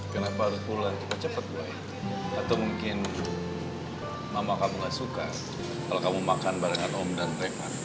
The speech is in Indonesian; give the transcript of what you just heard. kenapa harus pulang cepet cepet boy atau mungkin mama kamu gak suka kalau kamu makan barengan om dan reva